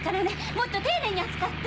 もっと丁寧に扱って！